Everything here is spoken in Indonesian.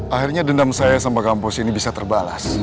akhirnya dendam saya sama kampus ini bisa terbalas